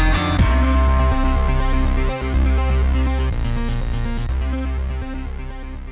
โปรดติดตามตอนต่อไป